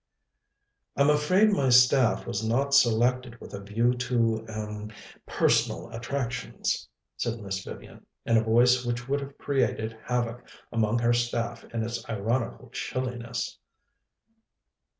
"I'm afraid my staff was not selected with a view to er personal attractions," said Miss Vivian, in a voice which would have created havoc amongst her staff in its ironical chilliness.